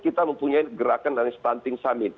kita mempunyai gerakan dari stunting summit